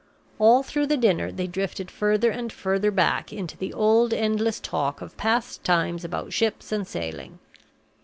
All through the dinner they drifted further and further back into the old endless talk of past times about ships and sailing.